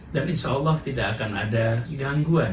dan insya allah tidak akan ada gangguan